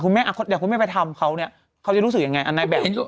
อ่ะคุณแม่อ่ะเด็กคุณแม่ไปทำเขาเนี้ยเขาจะรู้สึกยังไงอันในแบบ